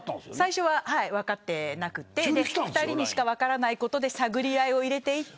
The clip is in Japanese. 最初は分かっていなくて２人しか分からないことで探り合いを入れていって。